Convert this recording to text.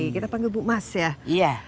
kita panggil bu mas ya